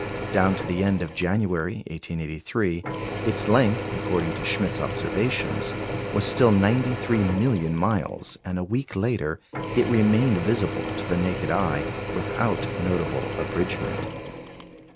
Down to the end of January, 1883, its length, according to Schmidt's observations, was still 93 million miles; and a week later it remained visible to the naked eye, without notable abridgment.